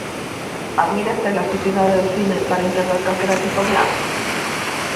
Admira esta elasticidade do cine para integrar calquera tipo de arte?